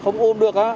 không ôn được á